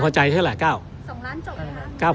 เป็นไปตามขั้นตอนดีกว่าเนอะ